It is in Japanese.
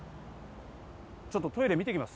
ちょっとトイレを見てきます。